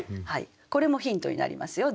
これもヒントになりますよ。